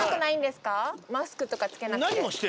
マスクとか着けなくて。